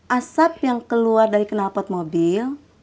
asap yang keluar dari kenal pot mobil